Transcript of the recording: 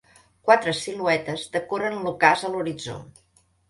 Quatre siluetes decoren l'ocàs a l'horitzó.